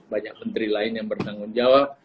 banyak menteri lain yang bertanggung jawab